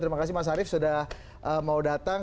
terima kasih mas arief sudah mau datang